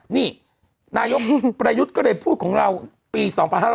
นี่นายกประยุทธ์ก็เลยพูดของเราปี๒๕๕๙